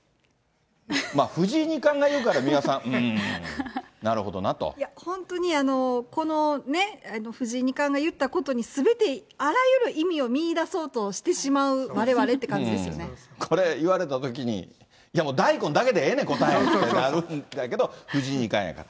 藤井二冠が言うから、いや、本当に、このね、藤井二冠が言ったことに、すべてあらゆる意味を見いだそうとしてしまうわれわれって感じでこれ言われたときに、いやもう、大根だけでええねん、答えはってなるんやけど、藤井二冠やから。